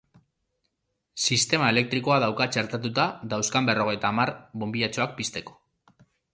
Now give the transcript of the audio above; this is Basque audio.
Sistema elektrikoa dauka txertatuta dauzkan berrogeita hamar bonbilatxoak pizteko.